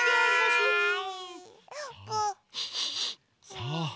さあ